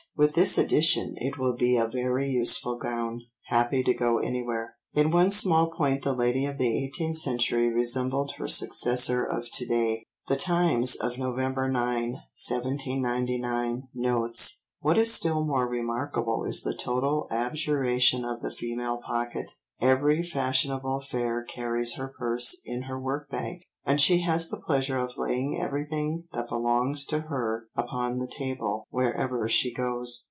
With this addition it will be a very useful gown, happy to go anywhere." In one small point the lady of the eighteenth century resembled her successor of to day. The Times of November 9, 1799, notes: "What is still more remarkable is the total abjuration of the female pocket ... every fashionable fair carries her purse in her workbag, and she has the pleasure of laying everything that belongs to her upon the table wherever she goes."